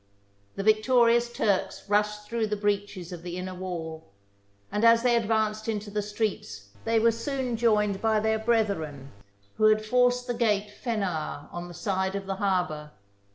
The victorious Turks rushed through the breaches of the inner wall; and as they advanced into the streets, they were soon joined by their brethren, who had forced the gate Phenar on the side of the harbour.